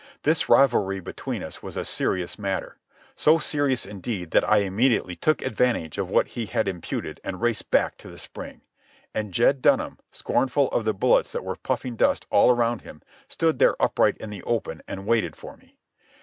This rivalry between us was a serious matter—so serious, indeed, that I immediately took advantage of what he had imputed and raced back to the spring. And Jed Dunham, scornful of the bullets that were puffing dust all around him, stood there upright in the open and waited for me.